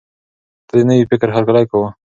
ده د نوي فکر هرکلی کاوه.